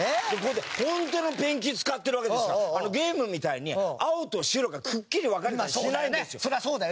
本当のペンキ使ってるわけですからゲームみたいに青と白がくっきり分かれたりしないんですよ。